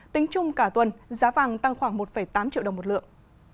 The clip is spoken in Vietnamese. tính chung cả tuần giá vàng tăng khoảng một tám triệu đồng một lượng